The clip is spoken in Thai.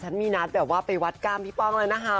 ฉันมีนัดไปวัดกล้ามพี่ป้องเลยนะฮะ